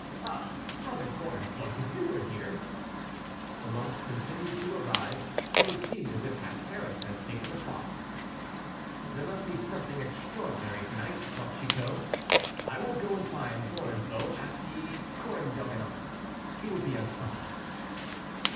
Ah, Brother Gorenflot, if you were here!" The monks continued to arrive, till it seemed as if half Paris had taken the frock. "There must be something extraordinary to night," thought Chicot. "I will go and find Gorenflot at the Corne d'Abondance; he will be at supper."